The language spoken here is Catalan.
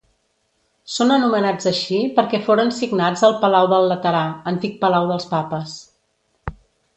Són anomenats així perquè foren signats al Palau del Laterà, antic palau dels papes.